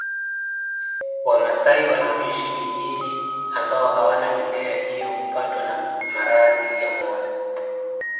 Wamasai wanaoishi mijini ambao hawana mimea hiyo hupatwa na maradhi ya moyo